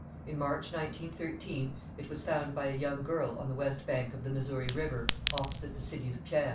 In March 1913 it was found by a young girl on the west bank of the Missouri river opposite the city of Pierre, N.